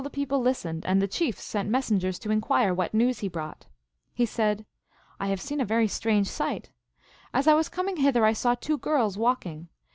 195 pie listened, and the chiefs sent messengers to inquire what news he brought. lie said, " I have seen a very strange sight. As I was coming hither I saw two girls walking.